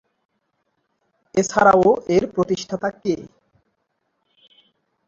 এছাড়াও এর প্রতিষ্ঠাতা কে?